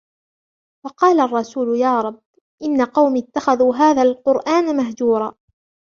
وَقَالَ الرَّسُولُ يَا رَبِّ إِنَّ قَوْمِي اتَّخَذُوا هَذَا الْقُرْآنَ مَهْجُورًا